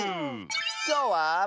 きょうは。